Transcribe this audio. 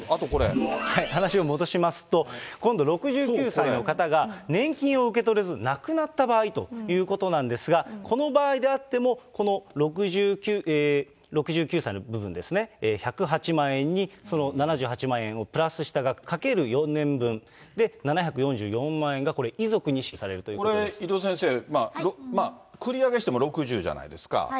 話を戻しますと、今度６９歳の方が年金を受け取れず亡くなった場合ということなんですが、この場合であっても、この６９歳の部分ですね、１０８万円に、その７８万円をプラスした額かける４年分、７４４万円が、これ、これ、井戸先生、繰り上げしても６０じゃないですか。